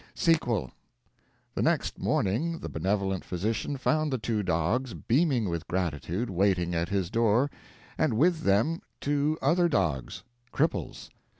SEQUEL The next morning the benevolent physician found the two dogs, beaming with gratitude, waiting at his door, and with them two other dogs cripples.